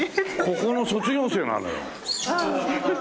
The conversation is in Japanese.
ここの卒業生なのよ。